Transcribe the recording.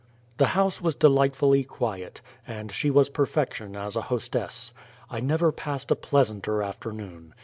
The house was delightfully quiet, and she was perfection as a hostess. I never passed a pleasanter afternoon.